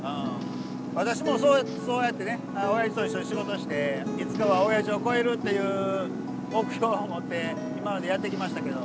私もそうやってねおやじと一緒に仕事していつかはおやじを越えるっていう目標を持って今までやってきましたけど。